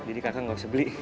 jadi kakak gak usah beli